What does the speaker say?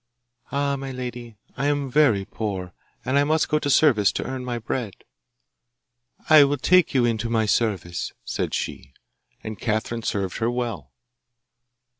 'Ah, my lady, I am very poor, and must go to service to earn my bread.' 'I will take you into my service,' said she; and Catherine served her well.